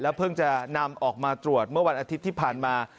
เพิ่งจะนำออกมาตรวจเมื่อวันอาทิตย์ที่ผ่านมา